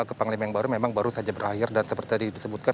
ke panglima yang baru memang baru saja berakhir dan seperti tadi disebutkan